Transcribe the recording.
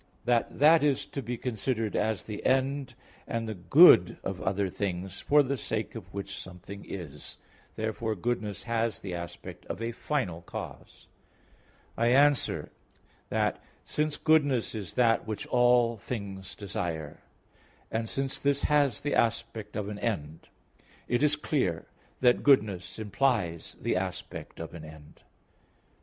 ii) that "that is to be considered as the end and the good of other things, for the sake of which something is." Therefore goodness has the aspect of a final cause. I answer that, Since goodness is that which all things desire, and since this has the aspect of an end, it is clear that goodness implies the aspect of an end.